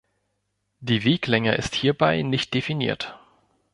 Die Weglänge ist hierbei nicht definiert.